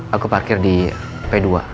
aku parkir di p dua